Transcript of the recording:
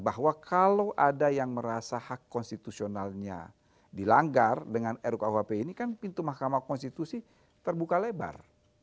bahwa kalau ada yang merasa hak konstitusionalnya dilanggar dengan rukuhp ini kan pintu mahkamah konstitusi terbuka lebar